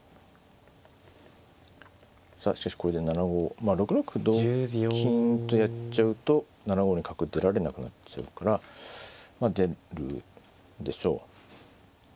まあ６六歩同金とやっちゃうと７五に角出られなくなっちゃうからまあ出るでしょう。